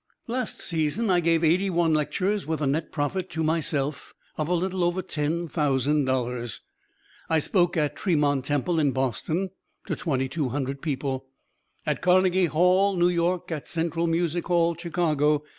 Last season I gave eighty one lectures, with a net profit to myself of a little over ten thousand dollars. I spoke at Tremont Temple in Boston, to twenty two hundred people; at Carnegie Hall, New York; at Central Music Hall, Chicago.